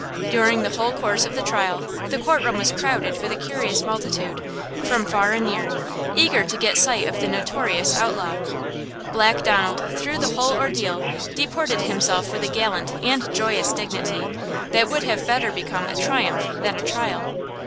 During the whole course of the trial the court room was crowded with a curious multitude, "from far and near," eager to get sight of the notorious outlaw. Black Donald, through the whole ordeal, deported himself with a gallant and joyous dignity, that would have better become a triumph than a trial.